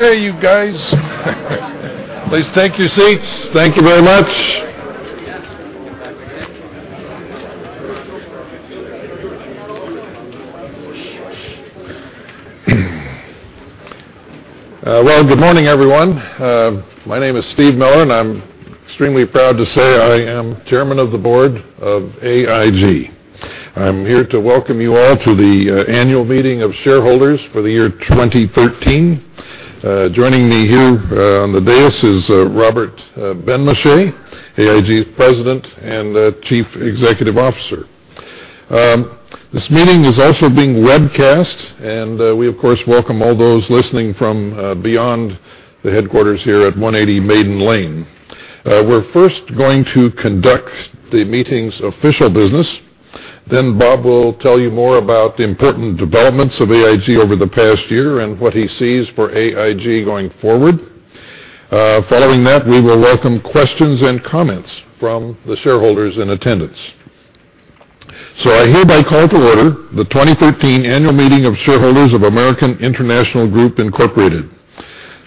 Hey, you guys. Please take your seats. Thank you very much. Good morning, everyone. My name is Steve Miller, and I'm extremely proud to say I am Chairman of the Board of AIG. I'm here to welcome you all to the annual meeting of shareholders for the year 2013. Joining me here on the dais is Robert Benmosche, AIG's President and Chief Executive Officer. This meeting is also being webcast, and we of course welcome all those listening from beyond the headquarters here at 180 Maiden Lane. We're first going to conduct the meeting's official business, then Bob will tell you more about the important developments of AIG over the past year and what he sees for AIG going forward. Following that, we will welcome questions and comments from the shareholders in attendance. I hereby call to order the 2013 annual meeting of shareholders of American International Group Incorporated.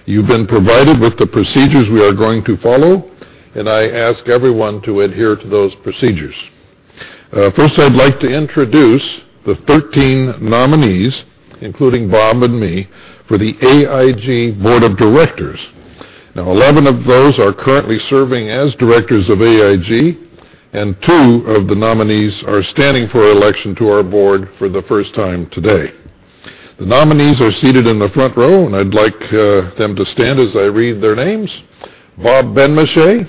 You've been provided with the procedures we are going to follow, and I ask everyone to adhere to those procedures. First, I'd like to introduce the 13 nominees, including Bob and me, for the AIG Board of Directors. 11 of those are currently serving as directors of AIG, and two of the nominees are standing for election to our board for the first time today. The nominees are seated in the front row, and I'd like them to stand as I read their names. Bob Benmosche,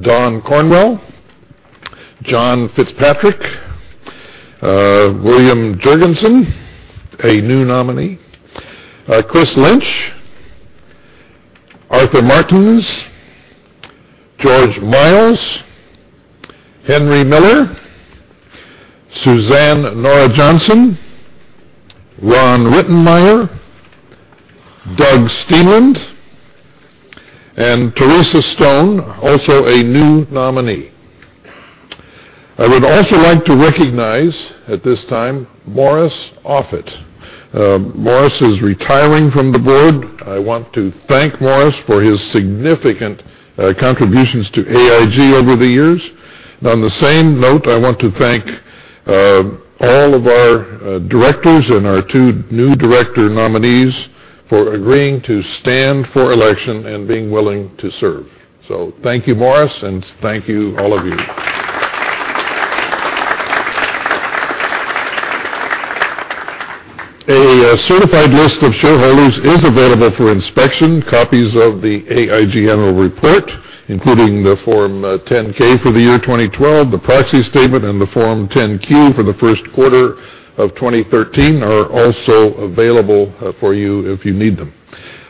Don Cornwell, John Fitzpatrick, William Jurgensen, a new nominee, Chris Lynch, Arthur Martinez, George Miles, Henry Miller, Suzanne Nora Johnson, Ron Rittenmeyer, Doug Steenland, and Theresa Stone, also a new nominee. I would also like to recognize at this time Morris Offit. Morris is retiring from the board. I want to thank Morris for his significant contributions to AIG over the years. On the same note, I want to thank all of our directors and our two new director nominees for agreeing to stand for election and being willing to serve. Thank you, Morris, and thank you, all of you. A certified list of shareholders is available for inspection. Copies of the AIG annual report, including the Form 10-K for the year 2012, the proxy statement, and the Form 10-Q for the first quarter of 2013 are also available for you if you need them.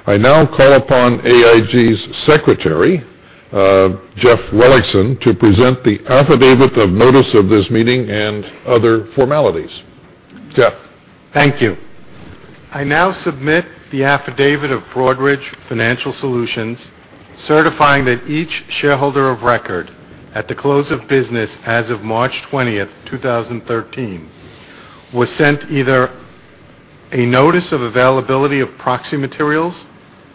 I now call upon AIG's Secretary, Jeff Welikson, to present the affidavit of notice of this meeting and other formalities. Jeff. Thank you. I now submit the affidavit of Broadridge Financial Solutions certifying that each shareholder of record at the close of business as of March 20th, 2013 was sent either a notice of availability of proxy materials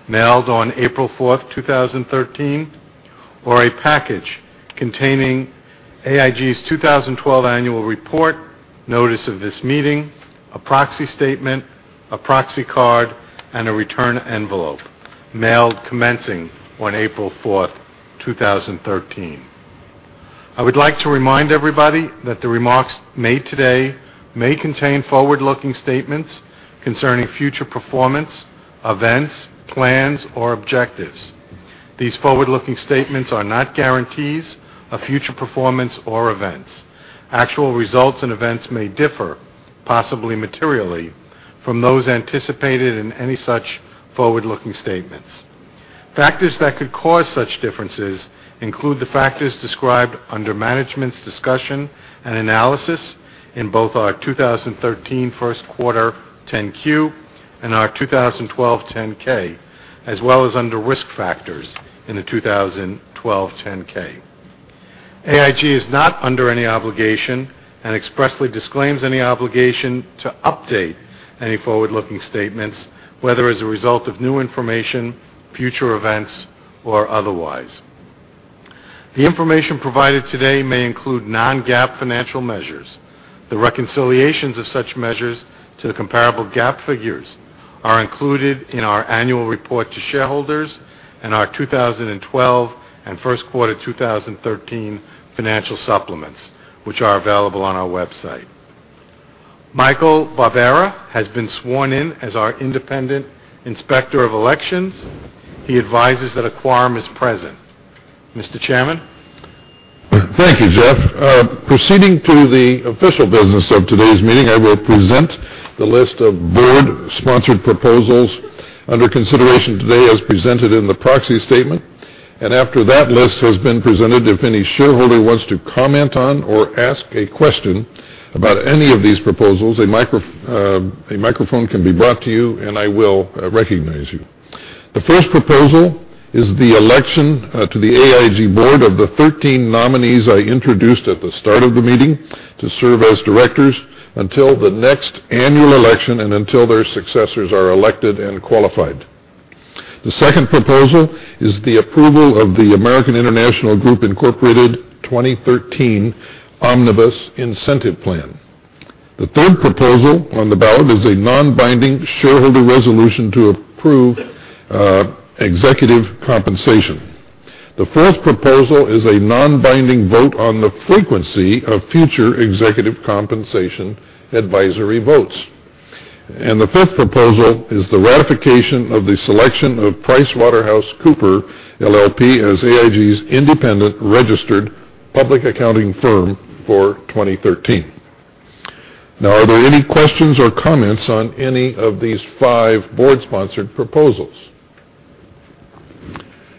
mailed on April 4th, 2013, or a package containing AIG's 2012 annual report, notice of this meeting, a proxy statement, a proxy card, and a return envelope mailed commencing on April 4th, 2013. I would like to remind everybody that the remarks made today may contain forward-looking statements concerning future performance, events, plans, or objectives. These forward-looking statements are not guarantees of future performance or events. Actual results and events may differ, possibly materially, from those anticipated in any such forward-looking statements. Factors that could cause such differences include the factors described under Management's Discussion and Analysis in both our 2013 first quarter 10-Q and our 2012 10-K, as well as under Risk Factors in the 2012 10-K. AIG is not under any obligation and expressly disclaims any obligation to update any forward-looking statements, whether as a result of new information, future events, or otherwise. The information provided today may include non-GAAP financial measures. The reconciliations of such measures to the comparable GAAP figures are included in our annual report to shareholders and our 2012 and first quarter 2013 financial supplements, which are available on our website. Michael Barbera has been sworn in as our independent inspector of elections. He advises that a quorum is present. Mr. Chairman? Thank you, Jeff. Proceeding to the official business of today's meeting, I will present the list of board-sponsored proposals under consideration today as presented in the proxy statement. After that list has been presented, if any shareholder wants to comment on or ask a question about any of these proposals, a microphone can be brought to you, and I will recognize you. The first proposal is the election to the AIG board of the 13 nominees I introduced at the start of the meeting to serve as directors until the next annual election and until their successors are elected and qualified. The second proposal is the approval of the American International Group, Inc. 2013 Omnibus Incentive Plan. The third proposal on the ballot is a non-binding shareholder resolution to approve executive compensation. The fourth proposal is a non-binding vote on the frequency of future executive compensation advisory votes. The fifth proposal is the ratification of the selection of PricewaterhouseCoopers LLP as AIG's independent registered public accounting firm for 2013. Now, are there any questions or comments on any of these five board-sponsored proposals?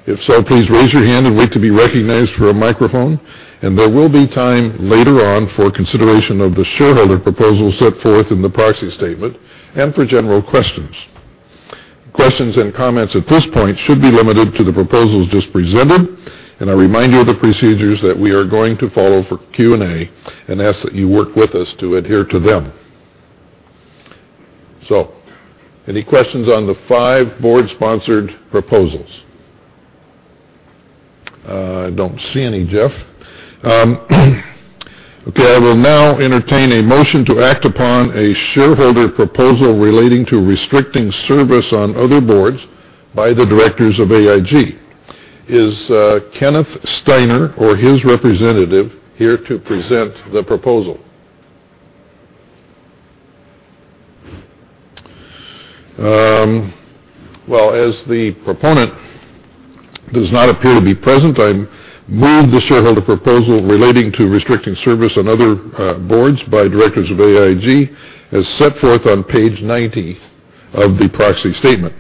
If so, please raise your hand and wait to be recognized for a microphone, and there will be time later on for consideration of the shareholder proposals set forth in the proxy statement and for general questions. Questions and comments at this point should be limited to the proposals just presented, and I remind you of the procedures that we are going to follow for Q&A and ask that you work with us to adhere to them. Any questions on the five board-sponsored proposals? I don't see any, Jeff. Okay, I will now entertain a motion to act upon a shareholder proposal relating to restricting service on other boards by the directors of AIG. Is Kenneth Steiner or his representative here to present the proposal? Well, as the proponent does not appear to be present, I move the shareholder proposal relating to restricting service on other boards by directors of AIG as set forth on page 90 of the proxy statement.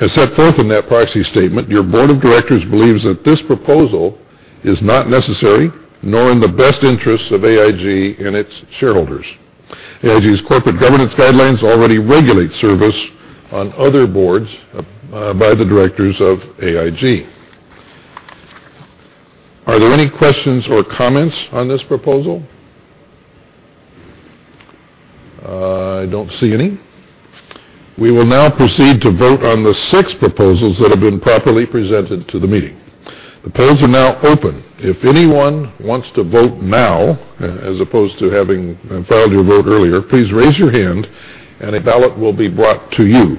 As set forth in that proxy statement, your board of directors believes that this proposal is not necessary nor in the best interest of AIG and its shareholders. AIG's corporate governance guidelines already regulate service on other boards by the directors of AIG. Are there any questions or comments on this proposal? I don't see any. We will now proceed to vote on the six proposals that have been properly presented to the meeting. The polls are now open. If anyone wants to vote now, as opposed to having filed your vote earlier, please raise your hand and a ballot will be brought to you.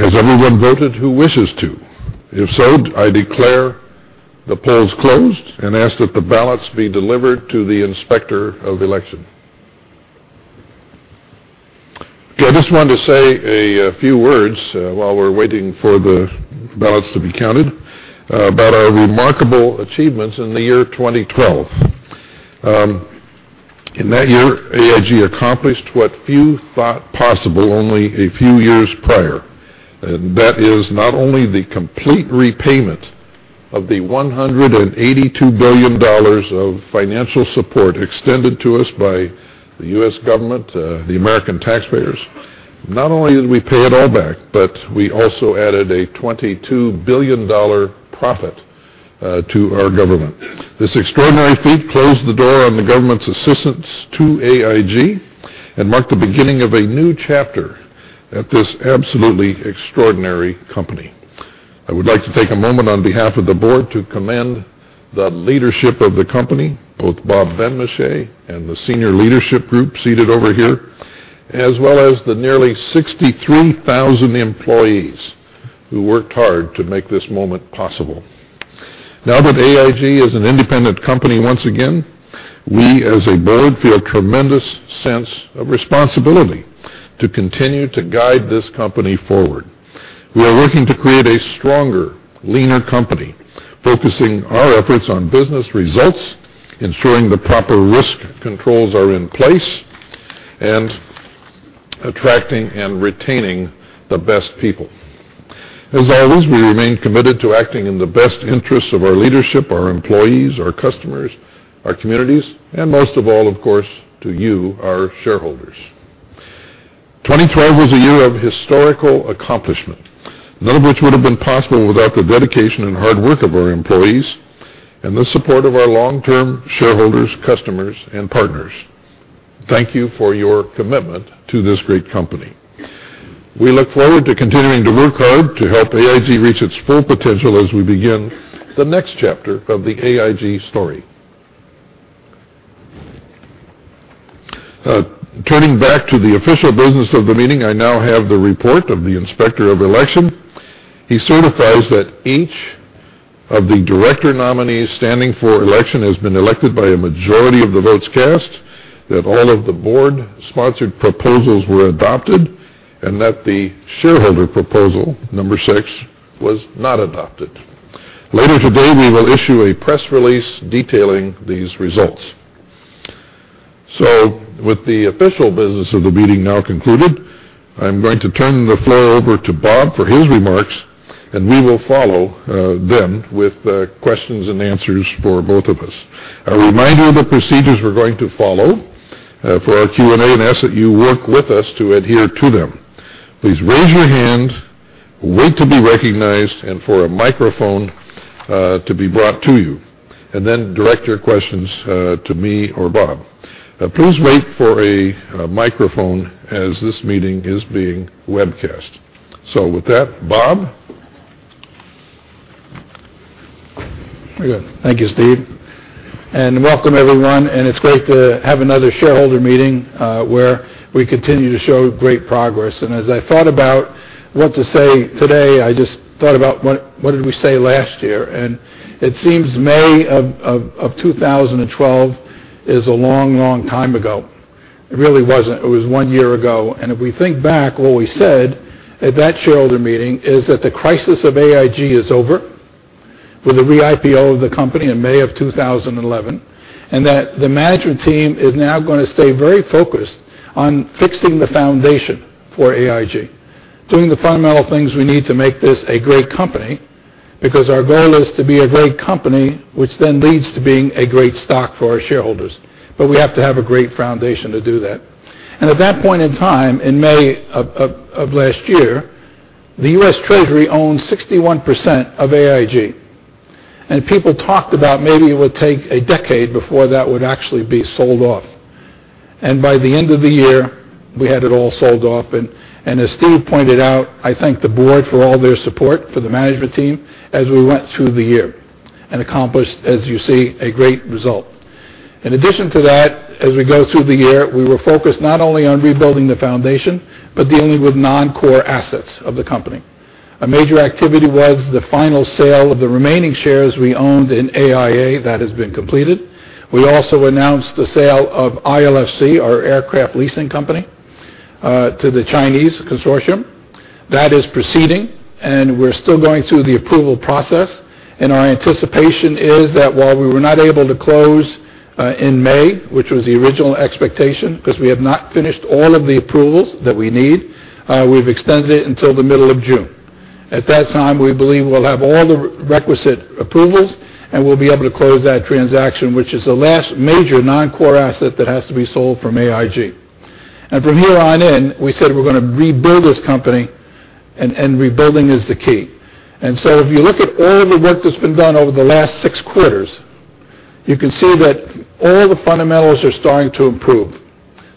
Has everyone voted who wishes to? If so, I declare the polls closed and ask that the ballots be delivered to the Inspector of Election. I just wanted to say a few words while we're waiting for the ballots to be counted about our remarkable achievements in the year 2012. In that year, AIG accomplished what few thought possible only a few years prior, and that is not only the complete repayment of the $182 billion of financial support extended to us by the U.S. government, the American taxpayers. Not only did we pay it all back, but we also added a $22 billion profit to our government. This extraordinary feat closed the door on the government's assistance to AIG and marked the beginning of a new chapter at this absolutely extraordinary company. I would like to take a moment on behalf of the board to commend the leadership of the company, both Bob Benmosche and the senior leadership group seated over here, as well as the nearly 63,000 employees who worked hard to make this moment possible. Now that AIG is an independent company once again, we as a board feel a tremendous sense of responsibility to continue to guide this company forward. We are working to create a stronger, leaner company, focusing our efforts on business results, ensuring the proper risk controls are in place, and attracting and retaining the best people. As always, we remain committed to acting in the best interests of our leadership, our employees, our customers, our communities, and most of all, of course, to you, our shareholders. 2012 was a year of historical accomplishment, none of which would have been possible without the dedication and hard work of our employees and the support of our long-term shareholders, customers, and partners. Thank you for your commitment to this great company. We look forward to continuing to work hard to help AIG reach its full potential as we begin the next chapter of the AIG story. Turning back to the official business of the meeting, I now have the report of the Inspector of Election. He certifies that each of the director nominees standing for election has been elected by a majority of the votes cast, that all of the board-sponsored proposals were adopted, and that the shareholder proposal number six was not adopted. Later today, we will issue a press release detailing these results. With the official business of the meeting now concluded, I'm going to turn the floor over to Bob for his remarks. We will follow, then with questions and answers for both of us. A reminder of the procedures we're going to follow for our Q&A, and ask that you work with us to adhere to them. Please raise your hand, wait to be recognized, and for a microphone to be brought to you. Then direct your questions to me or Bob. Please wait for a microphone as this meeting is being webcast. With that, Bob? Very good. Thank you, Steve, welcome everyone. It's great to have another shareholder meeting where we continue to show great progress. As I thought about what to say today, I just thought about what did we say last year. It seems May of 2012 is a long time ago. It really wasn't. It was one year ago. If we think back, what we said at that shareholder meeting is that the crisis of AIG is over with the re-IPO of the company in May of 2011, and that the management team is now going to stay very focused on fixing the foundation for AIG, doing the fundamental things we need to make this a great company. Because our goal is to be a great company, which then leads to being a great stock for our shareholders, but we have to have a great foundation to do that. At that point in time, in May of last year, the U.S. Treasury owned 61% of AIG. People talked about maybe it would take a decade before that would actually be sold off. By the end of the year, we had it all sold off, and as Steve pointed out, I thank the board for all their support for the management team as we went through the year and accomplished, as you see, a great result. In addition to that, as we go through the year, we were focused not only on rebuilding the foundation, but dealing with non-core assets of the company. A major activity was the final sale of the remaining shares we owned in AIA. That has been completed. We also announced the sale of ILFC, our aircraft leasing company, to the Chinese consortium. That is proceeding, and we're still going through the approval process, and our anticipation is that while we were not able to close in May, which was the original expectation, because we have not finished all of the approvals that we need, we've extended it until the middle of June. At that time, we believe we'll have all the requisite approvals, and we'll be able to close that transaction, which is the last major non-core asset that has to be sold from AIG. From here on in, we said we're going to rebuild this company, and rebuilding is the key. If you look at all of the work that's been done over the last six quarters, you can see that all the fundamentals are starting to improve.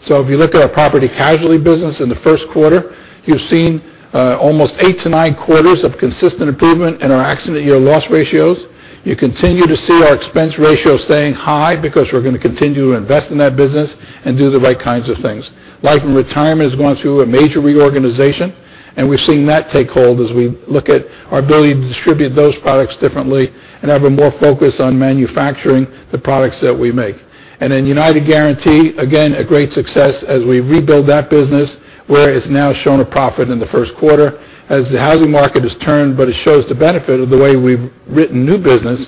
If you look at our property casualty business in the first quarter, you've seen almost eight to nine quarters of consistent improvement in our accident year loss ratios. You continue to see our expense ratio staying high because we're going to continue to invest in that business and do the right kinds of things. Life and retirement is going through a major reorganization, and we're seeing that take hold as we look at our ability to distribute those products differently and have a more focus on manufacturing the products that we make. United Guaranty, again, a great success as we rebuild that business, where it's now shown a profit in the first quarter as the housing market has turned, but it shows the benefit of the way we've written new business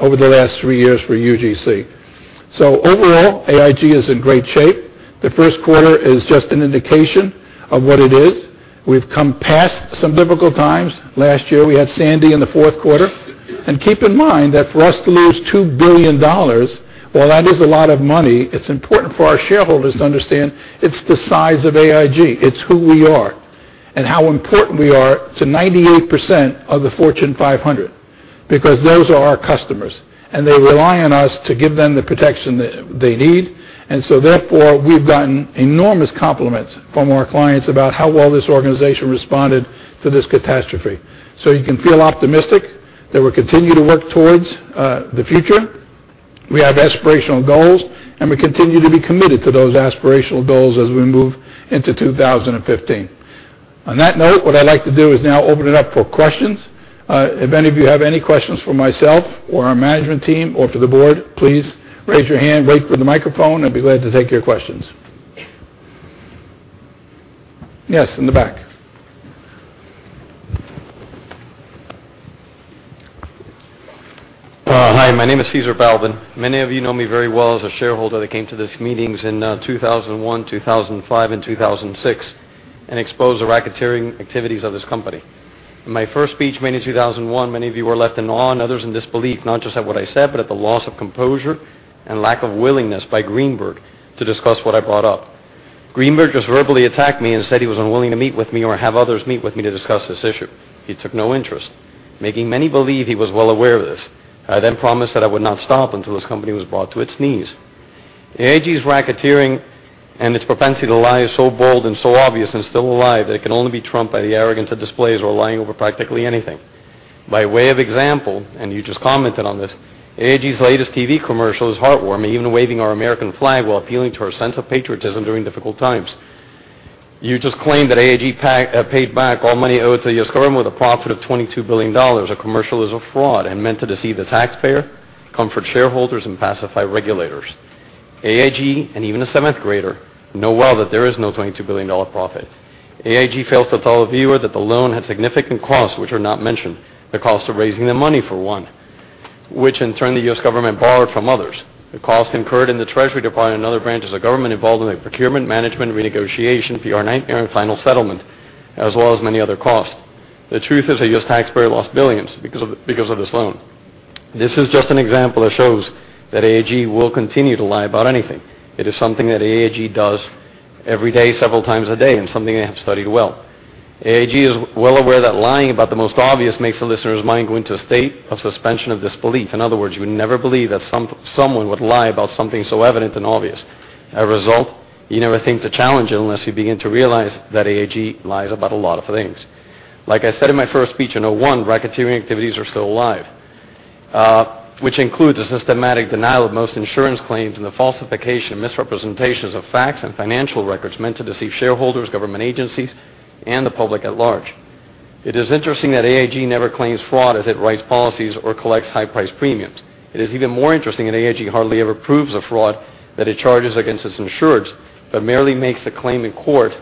over the last three years for UGC. Overall, AIG is in great shape. The first quarter is just an indication of what it is. We've come past some difficult times. Last year, we had Sandy in the fourth quarter. Keep in mind that for us to lose $2 billion, while that is a lot of money, it's important for our shareholders to understand it's the size of AIG. It's who we are and how important we are to 98% of the Fortune 500, because those are our customers, and they rely on us to give them the protection they need. Therefore, we've gotten enormous compliments from our clients about how well this organization responded to this catastrophe. You can feel optimistic that we'll continue to work towards the future. We have aspirational goals, and we continue to be committed to those aspirational goals as we move into 2015. On that note, what I'd like to do is now open it up for questions. If any of you have any questions for myself or our management team or for the board, please raise your hand, wait for the microphone, I'd be glad to take your questions. Yes, in the back. Hi, my name is Cesar Balvin. Many of you know me very well as a shareholder that came to these meetings in 2001, 2005, and 2006 and exposed the racketeering activities of this company. In my first speech made in 2001, many of you were left in awe and others in disbelief, not just at what I said, but at the loss of composure and lack of willingness by Greenberg to discuss what I brought up. Greenberg just verbally attacked me and said he was unwilling to meet with me or have others meet with me to discuss this issue. He took no interest, making many believe he was well aware of this. I promised that I would not stop until this company was brought to its knees. AIG's racketeering and its propensity to lie is so bold and so obvious and still alive that it can only be trumped by the arrogance it displays while lying over practically anything. By way of example, you just commented on this, AIG's latest TV commercial is heartwarming, even waving our American flag while appealing to our sense of patriotism during difficult times. You just claimed that AIG paid back all money owed to the U.S. government with a profit of $22 billion. The commercial is a fraud and meant to deceive the taxpayer, comfort shareholders, and pacify regulators. AIG and even a seventh-grader know well that there is no $22 billion profit. AIG fails to tell the viewer that the loan had significant costs, which are not mentioned. The cost of raising the money, for one. In turn the U.S. government borrowed from others. The cost incurred in the Treasury Department and other branches of government involved in the procurement, management, renegotiation, PR nightmare, and final settlement, as well as many other costs. The truth is the U.S. taxpayer lost $billions because of this loan. This is just an example that shows that AIG will continue to lie about anything. It is something that AIG does every day, several times a day, and something I have studied well. AIG is well aware that lying about the most obvious makes the listener's mind go into a state of suspension of disbelief. In other words, you would never believe that someone would lie about something so evident and obvious. As a result, you never think to challenge it unless you begin to realize that AIG lies about a lot of things. Like I said in my first speech in 2001, racketeering activities are still alive, which includes a systematic denial of most insurance claims and the falsification and misrepresentations of facts and financial records meant to deceive shareholders, government agencies, and the public at large. It is interesting that AIG never claims fraud as it writes policies or collects high-price premiums. It is even more interesting that AIG hardly ever proves a fraud that it charges against its insureds, but merely makes the claim in court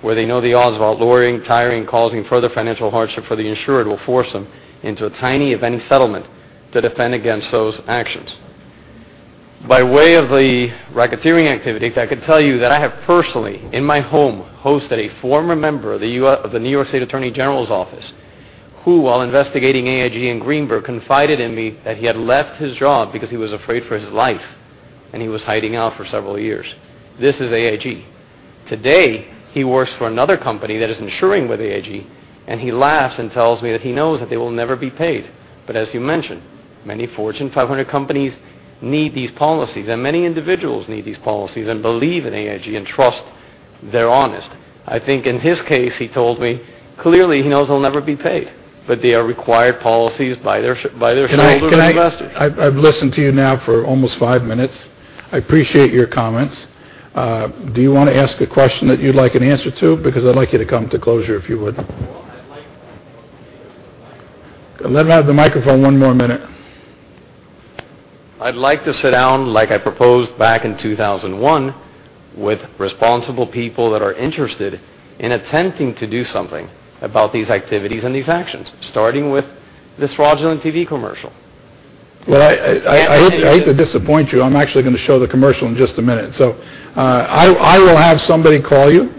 where they know the odds of lawyering, tiring, causing further financial hardship for the insured will force them into a tiny, if any, settlement to defend against those actions. By way of the racketeering activities, I could tell you that I have personally, in my home, hosted a former member of the New York State Attorney General's office, who, while investigating AIG and Greenberg, confided in me that he had left his job because he was afraid for his life, and he was hiding out for several years. This is AIG. Today, he works for another company that is insuring with AIG, and he laughs and tells me that he knows that they will never be paid. As you mentioned, many Fortune 500 companies need these policies, and many individuals need these policies and believe in AIG and trust they're honest. I think in his case, he told me clearly he knows he'll never be paid. They are required policies by their shareholders and investors. I've listened to you now for almost five minutes. I appreciate your comments. Do you want to ask a question that you'd like an answer to? I'd like you to come to closure if you would. Well, I'd like Let him have the microphone one more minute. I'd like to sit down, like I proposed back in 2001, with responsible people that are interested in attempting to do something about these activities and these actions, starting with this fraudulent TV commercial. Well, I hate to disappoint you. I'm actually going to show the commercial in just a minute. I will have somebody call you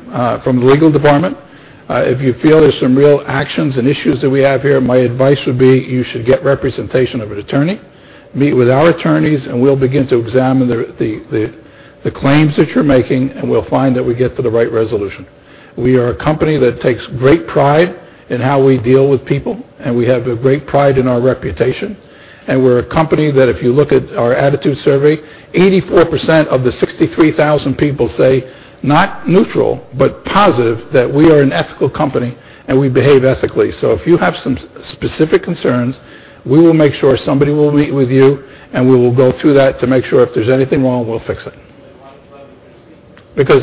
from the legal department. If you feel there's some real actions and issues that we have here, my advice would be you should get representation of an attorney, meet with our attorneys, and we'll begin to examine the claims that you're making, and we'll find that we get to the right resolution. We are a company that takes great pride in how we deal with people, and we have a great pride in our reputation. We're a company that if you look at our attitude survey, 84% of the 63,000 people say, not neutral, but positive that we are an ethical company and we behave ethically. If you have some specific concerns, we will make sure somebody will meet with you, and we will go through that to make sure if there's anything wrong, we'll fix it.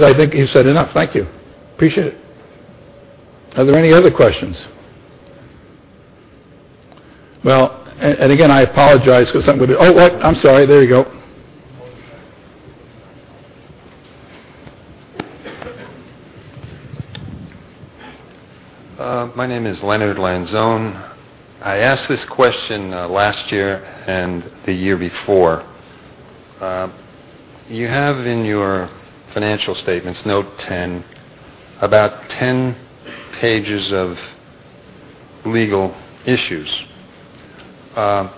I think you've said enough. Thank you. Appreciate it. Are there any other questions? Again, I apologize because Oh, what? I'm sorry. There you go. My name is Leonard Lanzone. I asked this question last year and the year before. You have in your financial statements, note 10, about 10 pages of legal issues. The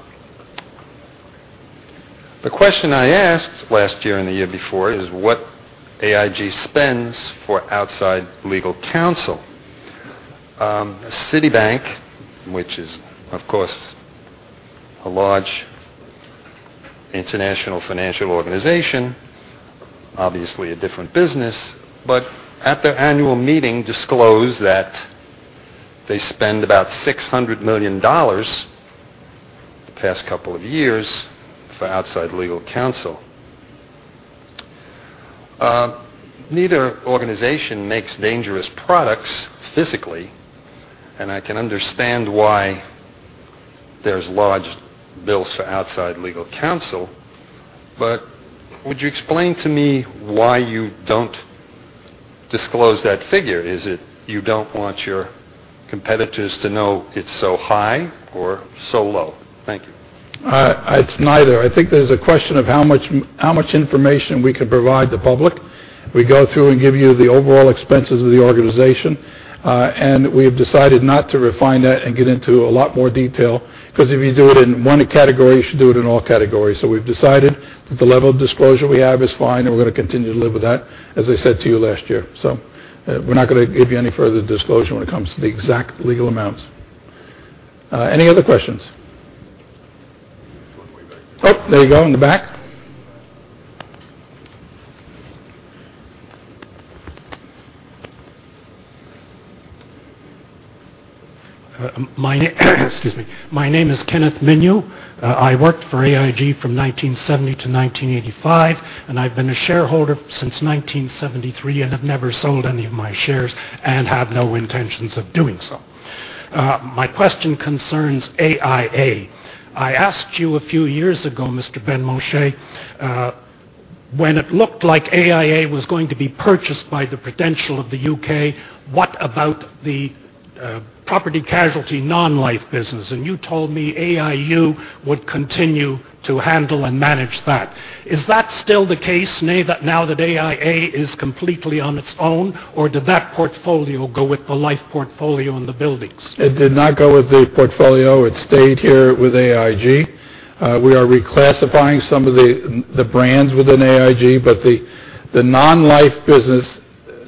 question I asked last year and the year before is what AIG spends for outside legal counsel. Citibank, which is, of course, a large international financial organization, obviously a different business. At their annual meeting disclosed that they spend about $600 million the past couple of years for outside legal counsel. Neither organization makes dangerous products physically, and I can understand why there's large bills for outside legal counsel. Would you explain to me why you don't disclose that figure? Is it you don't want your competitors to know it's so high or so low? Thank you. It's neither. I think there's a question of how much information we can provide the public. We go through and give you the overall expenses of the organization. We have decided not to refine that and get into a lot more detail because if you do it in one category, you should do it in all categories. We've decided that the level of disclosure we have is fine, and we're going to continue to live with that, as I said to you last year. We're not going to give you any further disclosure when it comes to the exact legal amounts. Any other questions? One way back there. Oh, there you go, in the back. Excuse me. My name is Kenneth Minew. I worked for AIG from 1970 to 1985, and I've been a shareholder since 1973 and have never sold any of my shares and have no intentions of doing so. My question concerns AIA. I asked you a few years ago, Mr. Benmosche, when it looked like AIA was going to be purchased by the Prudential of the U.K., what about the property casualty non-life business? You told me AIU would continue to handle and manage that. Is that still the case now that AIA is completely on its own, or did that portfolio go with the life portfolio and the buildings? It did not go with the portfolio. It stayed here with AIG. We are reclassifying some of the brands within AIG, but the non-life business,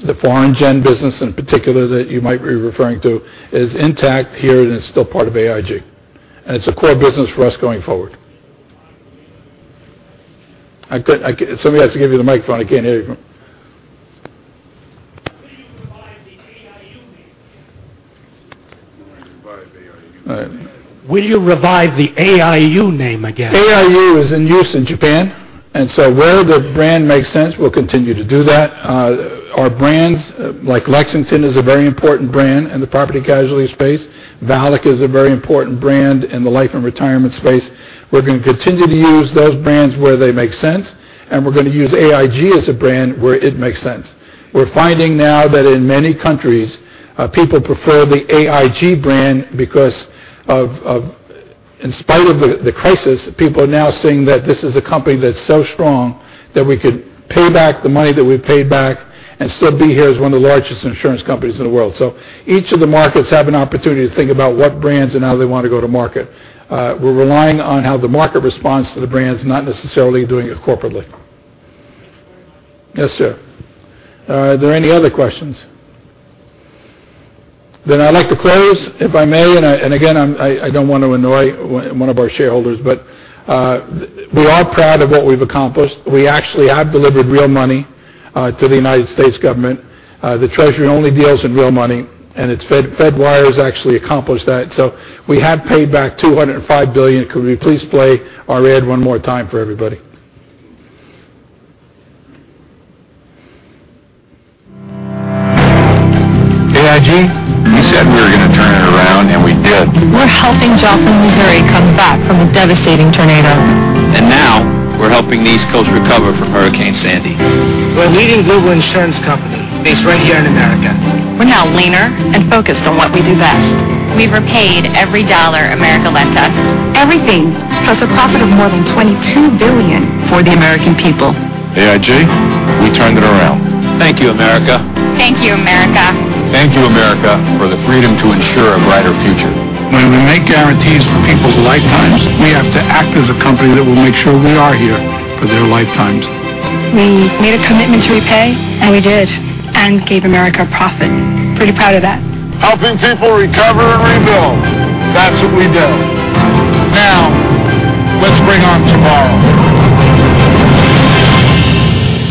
the foreign gen business in particular that you might be referring to, is intact here and is still part of AIG. It's a core business for us going forward. Somebody has to give you the microphone. I can't hear you. Will you revive the AIU name again? AIU is in use in Japan. Where the brand makes sense, we'll continue to do that. Our brands, like Lexington is a very important brand in the property casualty space. VALIC is a very important brand in the life and retirement space. We're going to continue to use those brands where they make sense, and we're going to use AIG as a brand where it makes sense. We're finding now that in many countries, people prefer the AIG brand because in spite of the crisis, people are now seeing that this is a company that's so strong that we could pay back the money that we've paid back and still be here as one of the largest insurance companies in the world. Each of the markets have an opportunity to think about what brands and how they want to go to market. We're relying on how the market responds to the brands, not necessarily doing it corporately. Yes, sir. Are there any other questions? I'd like to close, if I may, and again, I don't want to annoy one of our shareholders, but we are proud of what we've accomplished. We actually have delivered real money to the United States government. The Treasury only deals in real money, and its Fed wires actually accomplished that. We have paid back $205 billion. Could we please play our ad one more time for everybody? AIG, we said we were going to turn it around, and we did. We're helping Joplin, Missouri, come back from a devastating tornado. Now we're helping the East Coast recover from Hurricane Sandy. We're a leading global insurance company based right here in America. We're now leaner and focused on what we do best. We've repaid every dollar America lent us. Everything, plus a profit of more than $22 billion for the American people. AIG, we turned it around. Thank you, America. Thank you, America. Thank you, America, for the freedom to ensure a brighter future. When we make guarantees for people's lifetimes, we have to act as a company that will make sure we are here for their lifetimes. We made a commitment to repay, and we did, and gave America a profit. Pretty proud of that. Helping people recover and rebuild. That's what we do. Now, let's bring on tomorrow.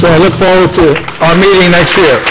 I look forward to our meeting next year.